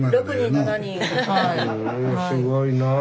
ふんすごいなあ。